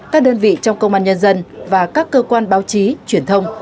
các đơn vị trong công an nhân dân và các cơ quan báo chí truyền thông